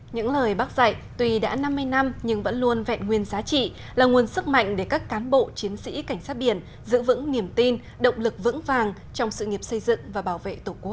những lời bác dạy tuy đã năm mươi năm nhưng vẫn luôn vẹn nguyên giá trị là nguồn sức mạnh để các cán bộ chiến sĩ cảnh sát biển giữ vững niềm tin động lực vững vàng trong sự nghiệp xây dựng và bảo vệ tổ quốc